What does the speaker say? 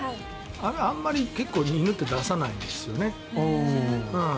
あれ、あまり犬って出さないんですよね。